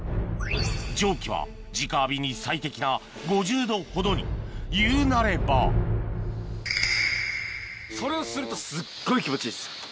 蒸気はじか浴びに最適な５０℃ほどにいうなればそれをするとすっごい気持ちいいです。